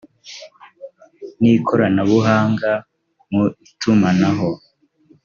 n ikoranabuhanga mu itumanaho